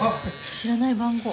知らない番号。